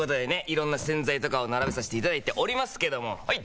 色んな洗剤とかを並べさせていただいておりますけどもはい！